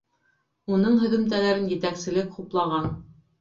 Уның һөҙөмтәләрен етәкселек хуплаған.